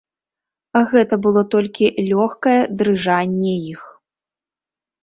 Гэта было толькі лёгкае дрыжанне іх.